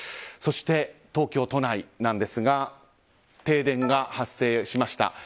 そして、東京都内ですが停電が発生しました。